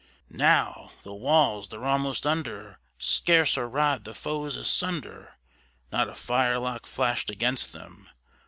Now! the walls they're almost under! scarce a rod the foes asunder! Not a firelock flashed against them!